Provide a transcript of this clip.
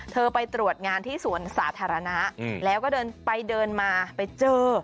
ไปตรวจงานที่สวนสาธารณะแล้วก็เดินไปเดินมาไปเจอ